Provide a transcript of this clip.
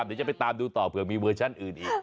เดี๋ยวจะไปตามดูต่อเผื่อมีเวอร์ชันอื่นอีก